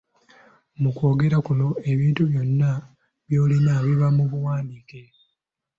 Mu kwogera kuno, ebintu byonna by’olina biba mu buwandiike.